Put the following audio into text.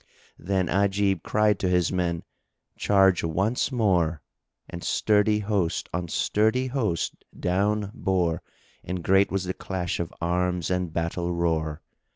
Then Ajib cried to his men, "Charge once more," and sturdy host on sturdy host down bore and great was the clash of arms and battle roar.